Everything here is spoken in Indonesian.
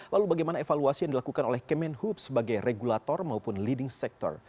lalu bagaimana evaluasi yang dilakukan oleh kemenhub sebagai regulator maupun leading sector